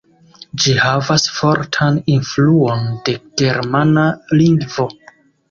Ĝi havas fortan influon de germana lingvo.